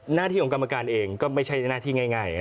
หน้าที่ของกรรมการเองก็ไม่ใช่หน้าที่ง่าย